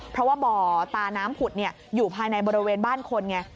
เพราะว่าบ่อตาน้ำผุดอยู่ภายในบริเวณบ้านคนไง